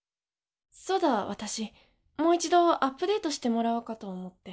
そうだ私もう一度アップデートしてもらおうかと思って。